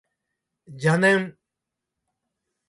邪念